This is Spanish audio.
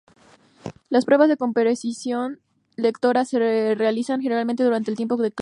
Las pruebas de comprensión lectora se realizan generalmente durante el tiempo de clase.